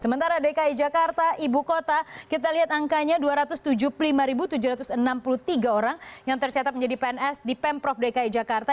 sementara dki jakarta ibu kota kita lihat angkanya dua ratus tujuh puluh lima tujuh ratus enam puluh tiga orang yang tercatat menjadi pns di pemprov dki jakarta